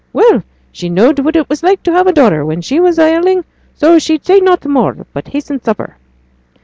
Well; she knowed what it was to want a daughter when she was ailing, so she'd say nought more, but hasten supper.